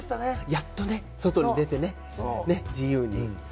やっとね、外に出てね自由に。